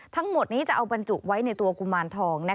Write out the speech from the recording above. ทั้งหมดนี้จะเอาบรรจุไว้ในตัวกุมารทอง